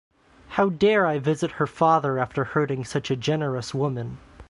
How dare I visit her father after hurting such a generous woman.